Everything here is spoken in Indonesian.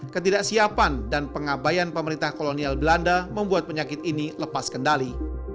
ketidaksiapan dan pengabayan pemerintah kolonial belanda membuat penyakit ini lepas kendali